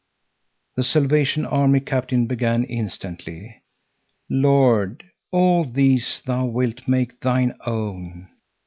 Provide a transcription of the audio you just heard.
The Salvation Army captain began instantly: "Lord, all these Thou wilt make Thine own.